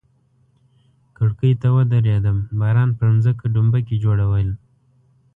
کړکۍ ته ودریدم، باران پر مځکه ډومبکي جوړول.